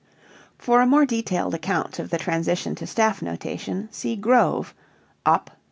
(For a more detailed account of the transition to staff notation, see Grove, op.